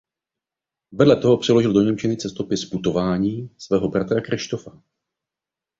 Vedle toho přeložil do němčiny cestopis "Putování" svého bratra Kryštofa.